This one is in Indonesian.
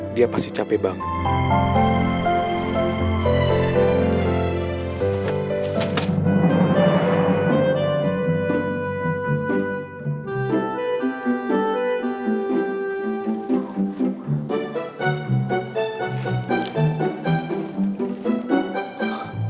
dia pasti capek banget